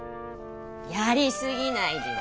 やり過ぎないでよ。